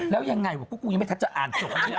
แล้วยังไงพวกกูยังไม่ทัชจะอ่านจริง